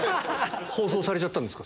放送されちゃったんですか？